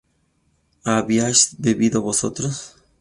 ¿habíais bebido vosotros?